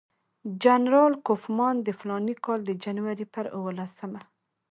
جنرال کوفمان د فلاني کال د جنوري پر اووه لسمه.